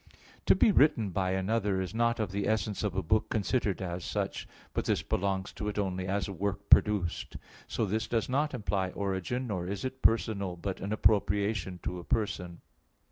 To be written by another is not of the essence of a book considered as such; but this belongs to it only as a work produced. So this does not imply origin; nor is it personal, but an appropriation to a person.